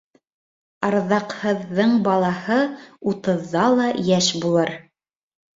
Арҙаҡһыҙҙың балаһы утыҙҙа ла йәш булыр.